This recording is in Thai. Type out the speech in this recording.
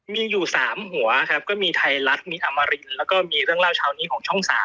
มีอยู่๓หัวครับก็มีไทยรัฐมีอมรินแล้วก็มีเรื่องเล่าเช้านี้ของช่อง๓